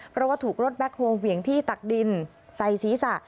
เพราะว่าถูกรถแบ็คโฮเหวี่ยงที่ตักดินใส่ศีรษะ